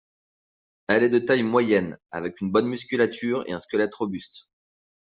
Elle est de taille moyenne, avec une bonne musculature et un squelette robuste.